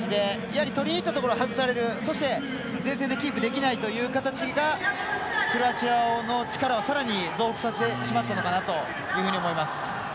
やはり取り入ったところ外されるそして、前線でキープできないという形がクロアチアの力をさらに増幅させてしまったのかなというふうに思います。